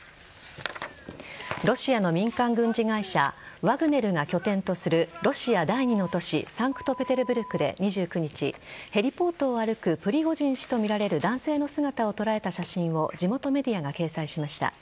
ロシアの民間軍事会社ワグネルが拠点とするロシア第２の都市サンクトペテルブルクで２９日ヘリポートを歩くプリゴジン氏とみられる男性の姿を捉えた写真を地元メディアが掲載しました。